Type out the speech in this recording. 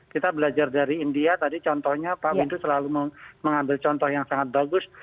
kita belajar dari india tadi contohnya pak windu selalu mengambil contoh yang sangat bagus